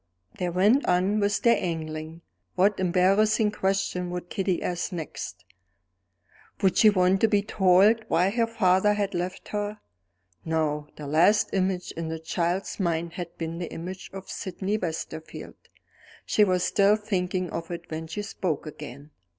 They went on with their angling. What embarrassing question would Kitty ask next? Would she want to be told why her father had left her? No: the last image in the child's mind had been the image of Sydney Westerfield. She was still thinking of it when she spoke again.